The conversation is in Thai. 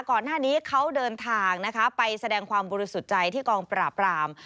ก่อนหน้านี้เขาเดินทางนะคะไปแสดงความบริสุทธิ์ใจที่กองปราบราม